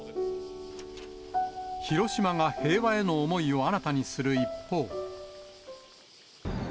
広島が平和への思いを新たにする一方。